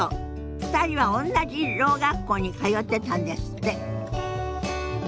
２人はおんなじろう学校に通ってたんですって。